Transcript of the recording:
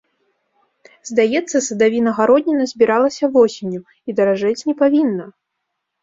Здаецца, садавіна-гародніна збіралася восенню, і даражэць не павінна.